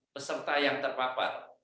peserta yang terpapar